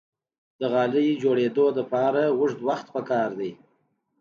د غالۍ جوړیدو لپاره اوږد وخت پکار دی.